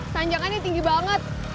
tanjakannya tinggi banget